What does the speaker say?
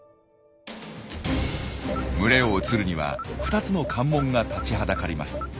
群れを移るには２つの関門が立ちはだかります。